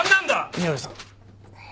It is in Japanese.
宮部さん。